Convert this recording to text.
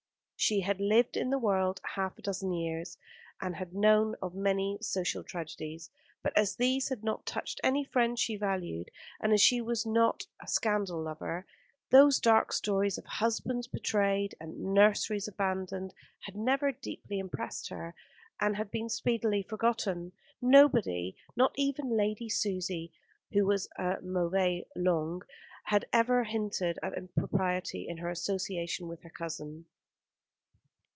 She had lived in the world half a dozen years, and had known of many social tragedies; but as these had not touched any friend she valued, and as she was not a scandal lover, those dark stories of husbands betrayed and nurseries abandoned had never deeply impressed her, and had been speedily forgotten. Nobody, not even Lady Susie, who was a mauvaise langue, had ever hinted at impropriety in her association with her cousin.